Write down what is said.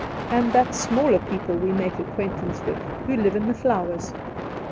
And that smaller people we make acquaintance with, who live in the flowers.